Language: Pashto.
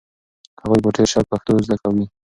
هغوی په ډېر شوق پښتو زده کوي.